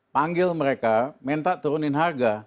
panggil mereka minta turunin harga